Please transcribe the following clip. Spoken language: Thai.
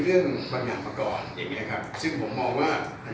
เรื่องมาก่อนแสดงว่า